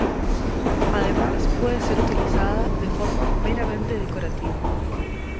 Además puede ser utilizada de forma meramente decorativa.